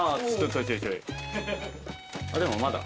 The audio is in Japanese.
でもまだ。